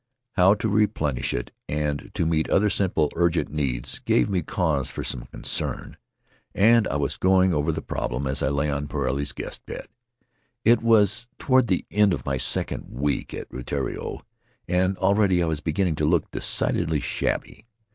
How to replenish it and to meet other simple urgent needs gave me cause for some concern, and I was going over the problem as I lay on Puarei's guest bed. It was toward the end of my second week at Rutiaro, and already I was beginning to look decidedly shabby.